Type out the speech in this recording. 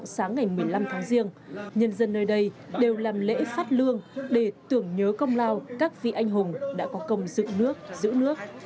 sáng ngày một mươi năm tháng riêng nhân dân nơi đây đều làm lễ phát lương để tưởng nhớ công lao các vị anh hùng đã có công dựng nước giữ nước